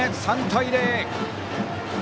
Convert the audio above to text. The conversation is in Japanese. ３対０。